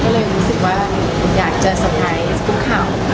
ก็เลยรู้สึกว่าอยากจะสะพายให้กลุ่มเข่า